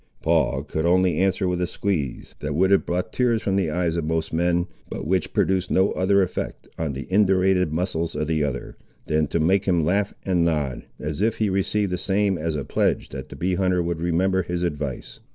Paul could only answer with a squeeze, that would have brought tears from the eyes of most men, but which produced no other effect on the indurated muscles of the other, than to make him laugh and nod, as if he received the same as a pledge that the bee hunter would remember his advice.